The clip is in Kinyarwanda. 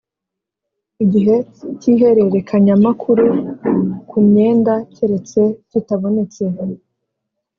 Igihe cy’ihererekanyamakuru ku myenda keretse kitabonetse